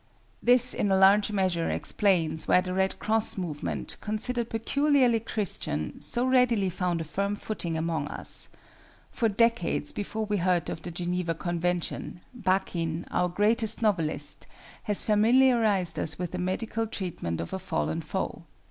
This in a large measure explains why the Red Cross movement, considered peculiarly Christian, so readily found a firm footing among us. For decades before we heard of the Geneva Convention, Bakin, our greatest novelist, had familiarized us with the medical treatment of a fallen foe.